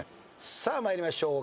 さあ参りましょう。